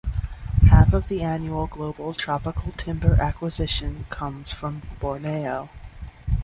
Half of the annual global tropical timber acquisition comes from Borneo.